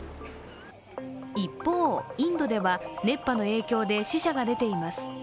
一方、インドでは熱波の影響で死者が出ています。